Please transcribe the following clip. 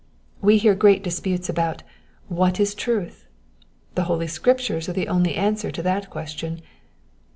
Wo hear great disputes about, What is truth ?" The holy Scriptures are the only answer to that question.